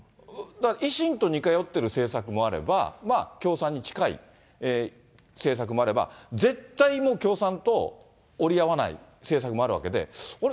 維新と似通ってる政策もあれば、まあ、共産に近い政策もあれば、絶対もう共産と折り合わない政策もあるわけで、あれ？